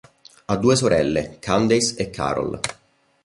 Ha due sorelle, Candace e Carol.